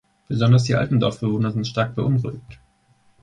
Besonders die alten Dorfbewohner sind stark beunruhigt.